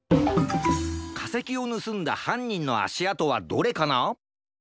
かせきをぬすんだはんにんのあしあとはどれかな？